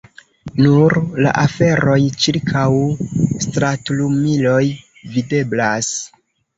Nur la aferoj ĉirkaŭ stratlumiloj videblas.